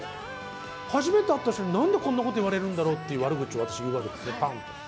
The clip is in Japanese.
初めて会った人に、なんでこんなこと言われるだろうっていう悪口、私言うわけですよ、ばんっと。